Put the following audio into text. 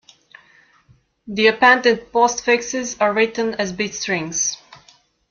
The appended postfixes are written as bit strings.